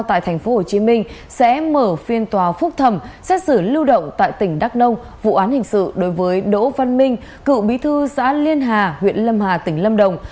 tại tp hcm sẽ mở phiên tòa phúc thẩm xét xử lưu động tại tỉnh đắk nông vụ án hình sự đối với đỗ văn minh cựu bí thư xã liên hà huyện lâm hà tỉnh lâm đồng